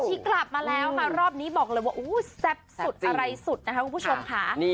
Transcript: ที่กลับมาแล้วค่ะรอบนี้บอกเลยว่าแซ่บสุดอะไรสุดนะคะคุณผู้ชมค่ะ